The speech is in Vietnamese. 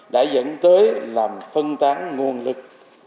đã dẫn tới làm phân tán nguồn lực